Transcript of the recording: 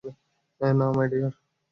না, my deer.